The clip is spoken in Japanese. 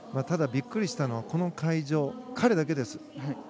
ただ、ビックリしたのはこの会場、彼だけです。